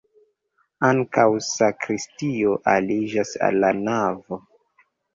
Ankaŭ sakristio aliĝas al la navo.